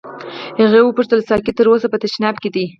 هغې وپوښتل ساقي تر اوسه په تشناب کې دی.